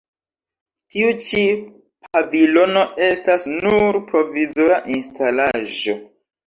Tiu ĉi pavilono estas nur provizora instalaĵo.